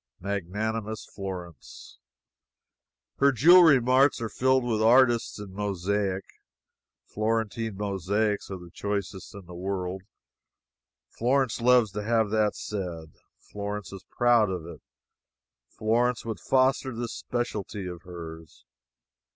Magnanimous Florence! Her jewelry marts are filled with artists in mosaic. Florentine mosaics are the choicest in all the world. Florence loves to have that said. Florence is proud of it. Florence would foster this specialty of hers.